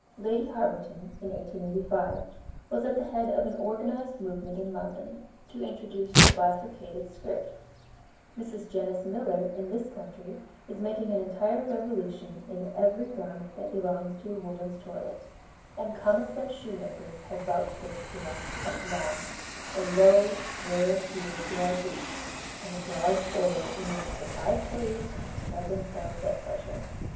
Lady Harberton, in 1885, was at the head of an organized movement in London to introduce the bifurcated skirt; Mrs. Jenness Miller, in this country, is making an entire revolution in every garment that belongs to a woman's toilet; and common sense shoemakers have vouchsafed to us, at last, a low, square heel to our boots and a broad sole in which the five toes can spread themselves at pleasure.